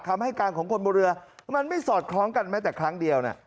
คำให้การของคนบนเรือมันไม่สอดคล้องกันแม้แต่ครั้งเดียว